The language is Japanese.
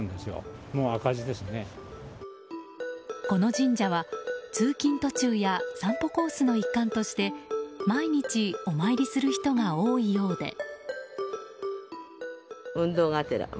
この神社は通勤途中や散歩コースの一環として毎日、お参りする人が多いようで。